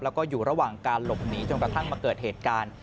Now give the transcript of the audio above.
แล้วก็อยู่ระหว่างการหลบหนีจนกระทั่งมาเกิดเหตุการณ์